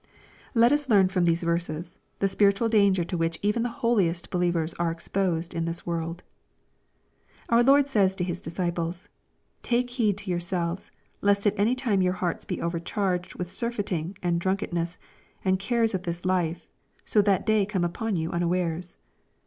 Let us learn from these verses, the spiritual danger to which even the holiest believers are exposed in this world. Our Lord says to His disciples, "Take heed to yourselves, lest at any time your hearts be overcharged with sur feiting, and drunkenness, and cares of this life, and so that day come upon you unawares."